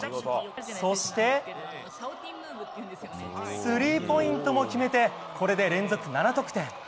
そして、スリーポイントも決めてこれで連続７得点。